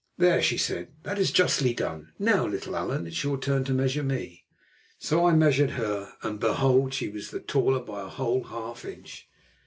"There," she said, "that is justly done. Now, little Allan, it is your turn to measure me." So I measured her, and, behold! she was the taller by a whole half inch.